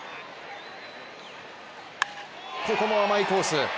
ここも甘いコース。